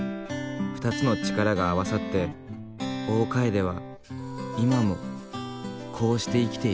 ２つの力が合わさって大カエデは今もこうして生きている。